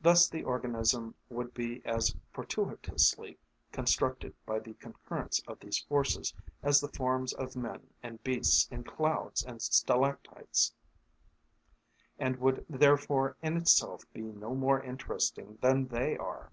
Thus the organism would be as fortuitously constructed by the concurrence of these forces as the forms of men and beasts in clouds and stalactites, and would therefore in itself be no more interesting than they are.